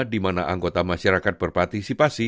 di mana anggota masyarakat berpartisipasi